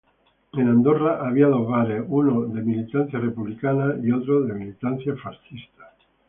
En Andorra había dos bares, uno de militancia republicana y otro de militancia fascista.